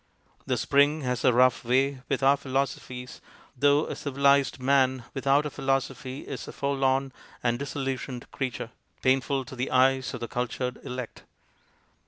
The spring has a rough way with our philoso phies, though a civilized man without a philosophy is a forlorn and disillusioned creature, painful to the eyes of the cultured elect.